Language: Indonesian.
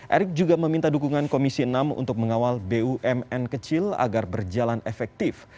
erick juga meminta dukungan komisi enam untuk mengawal bumn kecil agar berjalan efektif